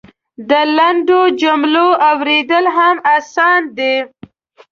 د لنډو جملو اورېدل هم اسانه دی.